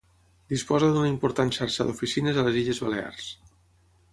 Disposa d'una important xarxa d'oficines a les Illes Balears.